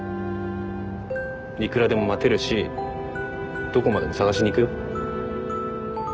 いくらでも待てるしどこまでも捜しに行くよ。